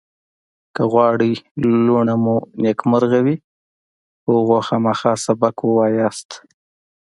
که غواړئ لوڼه مو نېکمرغ وي په هغوی خامخا سبق ووایاست